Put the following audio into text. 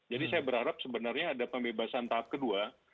jadi saya berharap sebenarnya ada pembebasan tahap kedua